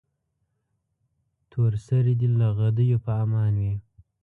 تور سرې دې له غدیو په امان وي.